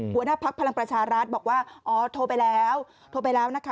หัวหน้าภักดิ์พลังประชาราชบอกว่าโทรไปแล้วโทรไปแล้วนะคะ